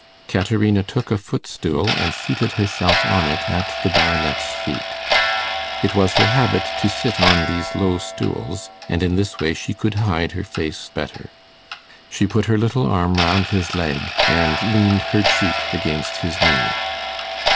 Caterina took a footstool, and seated herself on it at the Baronet's feet. It was her habit to sit on these low stools, and in this way she could hide her face better. She put her little arm round his leg, and leaned her cheek against his knee.